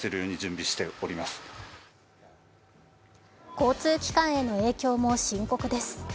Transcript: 交通機関への影響も深刻です。